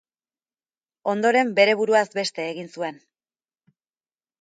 Ondoren, bere buruaz beste egin zuen.